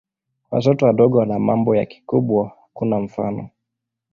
Watoto wadogo wana mambo ya kikubwa hakuna mfano.